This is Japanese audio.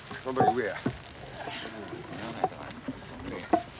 上や。